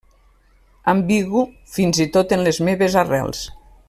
Ambigu, fins i tot en les meves arrels.